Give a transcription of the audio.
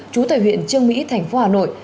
chú tài huyện trương mỹ thành phố hà nội